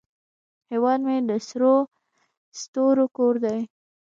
هیواد مې د سرو ستورو کور دی